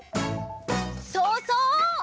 そうそう！